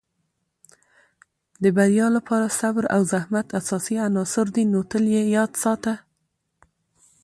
د بریا لپاره صبر او زحمت اساسي عناصر دي، نو تل یې یاد ساته.